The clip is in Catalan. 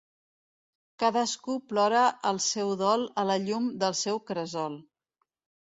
Cadascú plora el seu dol a la llum del seu cresol.